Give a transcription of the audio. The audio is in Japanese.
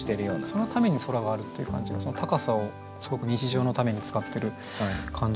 そのために空があるっていう感じが高さをすごく日常のために使ってる感じがいいなと思いました。